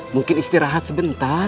mungkin istirahat sebentar